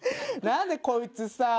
なんでこいつさ